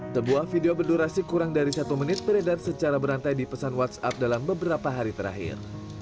sebuah video berdurasi kurang dari satu menit beredar secara berantai di pesan whatsapp dalam beberapa hari terakhir